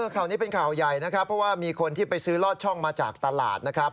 ข่าวนี้เป็นข่าวใหญ่นะครับเพราะว่ามีคนที่ไปซื้อลอดช่องมาจากตลาดนะครับ